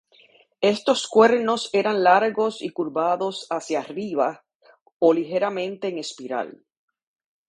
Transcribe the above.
Estos cuernos eran largos y curvados hacia arribas o ligeramente en espiral.